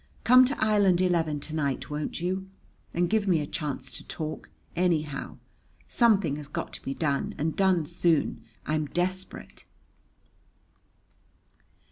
Come to Island Eleven to night, won't you? And give me a chance to talk, anyhow. Something has got to be done and done soon. I'm desperate!